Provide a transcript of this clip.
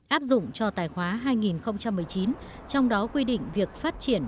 áp dụng cho tài khoá hai nghìn một mươi chín trong đó quy định việc phát triển